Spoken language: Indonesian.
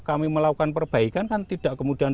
kami melakukan perbaikan kan tidak kemudian